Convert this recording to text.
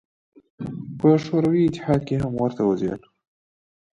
په شوروي اتحاد کې هم ورته وضعیت و.